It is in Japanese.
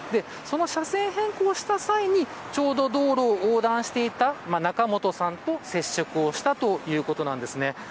車線変更をした際にちょうど道路を横断していた仲本さんと接触をしたということなんですね。